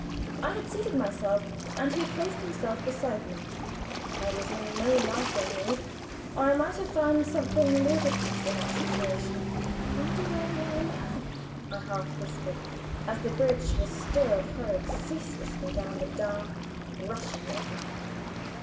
I had seated myself and he placed himself beside me. I was in no laughing mood or I might have found something ludicrous in our situation. "I wonder where we are now," I half whispered, as the bridge was still hurried ceaselessly down the dark and rushing river.